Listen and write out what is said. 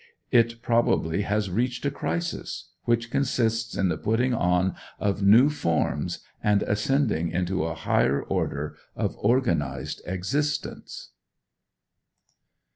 It probably has reached a crisis, which consists in the putting on of new forms and ascending into a higher order of organized existence.